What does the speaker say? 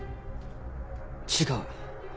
違う。